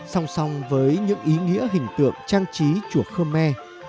song song với những ý nghĩa hình tượng trang trí chùa khơ me